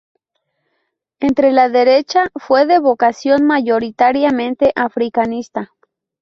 Entre la derecha fue de vocación mayoritariamente africanista.